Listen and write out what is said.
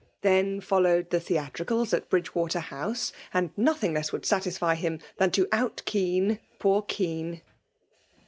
T^en fifllowed the theatricals at Bridgewater* House; and nothing less would satisfy him "Ihtm to ont Kean poor Kean